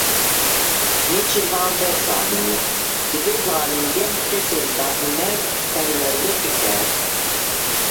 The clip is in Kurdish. Nêçîrvan Barzanî; divê zanîngeh kesên dahêner perwerde bike.